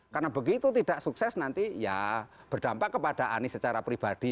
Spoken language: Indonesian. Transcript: karena begitu tidak sukses nanti ya berdampak kepada anies secara pribadi